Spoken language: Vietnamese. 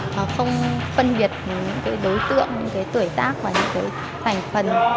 nó không phân biệt những cái đối tượng những cái tuổi tác và những cái thành phần